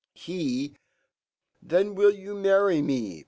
*' f Then will you marry me?